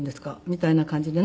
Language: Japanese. みたいな感じで。